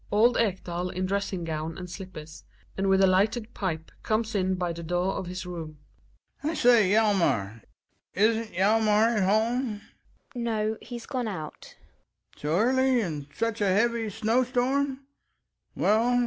Old Ekdal in dressing gown and slippers, and with a lighted pipe comes in by the door of his room. Ekdal. I say, Hjalmar Isn't Hjalmar at home? Gina. No, he's gone out Ekdal. So early? And in such a heavy snow storm